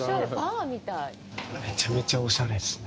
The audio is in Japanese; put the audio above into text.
めちゃめちゃおしゃれっすね。